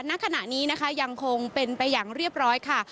ณขณะนี้นะคะยังคงเป็นไปอย่างเรียบร้อยค่ะ